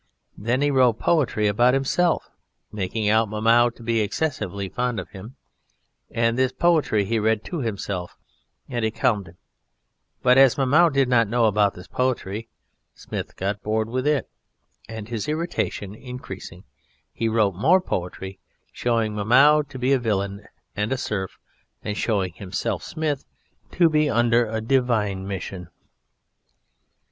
Then he wrote poetry about himself, making out Mahmoud to be excessively fond of him, and this poetry he read to himself, and it calmed him; but as Mahmoud did not know about this poetry, Smith got bored with it, and, his irritation increasing, he wrote more poetry, showing Mahmoud to be a villain and a serf, and showing himself, Smith, to be under a divine mission.